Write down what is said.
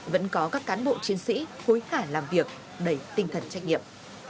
vẫn có các cán bộ chiến sĩ hối khả làm việc đầy tinh thần trách nhiệm